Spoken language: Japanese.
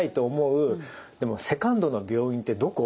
でもセカンドの病院ってどこ？